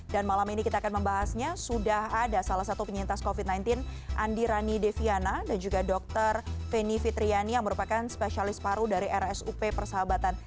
dan malam ini kita akan membahasnya sudah ada salah satu penyintas covid sembilan belas andi rani deviana dan juga dokter feni fitriani yang merupakan spesialis paru dari rsup persahabatan